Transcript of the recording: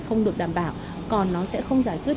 không được đảm bảo còn nó sẽ không giải quyết